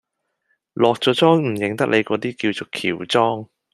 落咗妝唔認得你嗰啲，叫做喬裝